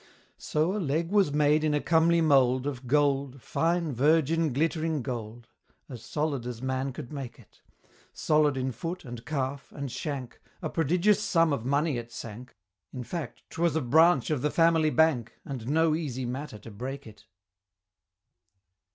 So a Leg was made in a comely mould, Of gold, fine virgin glittering gold, As solid as man could make it Solid in foot, and calf, and shank, A prodigious sum of money it sank; In fact 'twas a Branch of the family Bank, And no easy matter to break it.